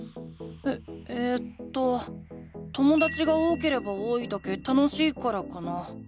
ええとともだちが多ければ多いだけ楽しいからかな。